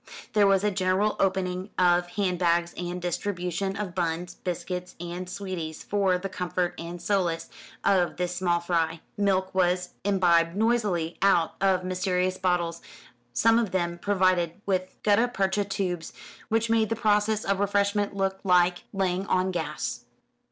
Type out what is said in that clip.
There was a general opening of hand bags and distribution of buns, biscuits, and sweeties for the comfort and solace of this small fry. Milk was imbibed noisily out of mysterious bottles, some of them provided with gutta percha tubes, which made the process of refreshment look like laying on gas.